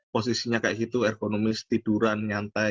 posisinya kayak gitu ergonomis tiduran nyantai